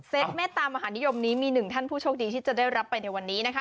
เมตตามหานิยมนี้มีหนึ่งท่านผู้โชคดีที่จะได้รับไปในวันนี้นะคะ